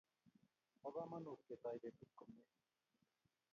po komonut ketoi petut komie